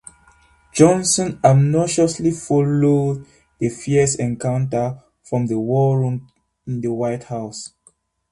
Johnson anxiously followed the fierce encounter from the war room in the White House.